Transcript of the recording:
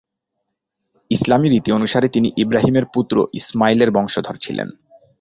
ইসলামী রীতি অনুসারে তিনি ইব্রাহিম এর পুত্র ইসমাঈল এর বংশধর ছিলেন।